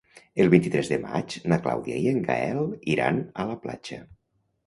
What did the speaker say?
El vint-i-tres de maig na Clàudia i en Gaël iran a la platja.